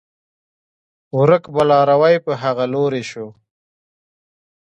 ورک به لاروی په هغه لوري شو